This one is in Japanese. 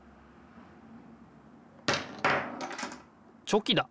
チョキだ。